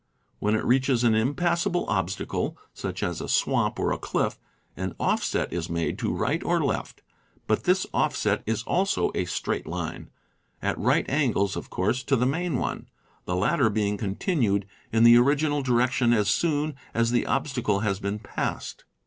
When it . reaches an impassable obstacle, such as a swamp or a cliff, an offset is made to right or left; but this offset is also a straight line, at right angles, of course, to the main one, the latter being continued in the original direction as soon as the ob stacle has been passed.